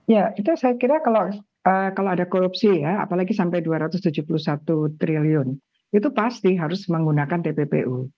ya itu saya kira kalau ada korupsi ya apalagi sampai dua ratus tujuh puluh satu triliun itu pasti harus menggunakan tppu